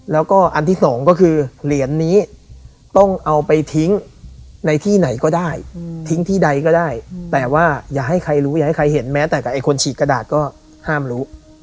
แล้วก็อันที่สองก็คือเหรียญนี้ต้องเอาไปทิ้งในที่ไหนก็ได้ทิ้งที่ใดก็ได้แต่ว่าอย่าให้ใครรู้อย่าให้ใครเห็นแม้แต่กับไอ้คนฉีกกระดาษก็ห้ามรู้